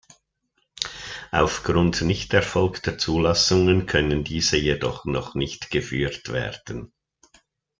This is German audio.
Auf Grund nicht erfolgter Zulassungen können diese jedoch noch nicht geführt werden.